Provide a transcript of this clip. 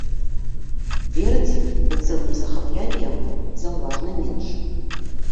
Вердзі, у цэлым захаплялі яго заўважна менш.